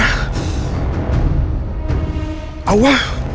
เอาว่ะ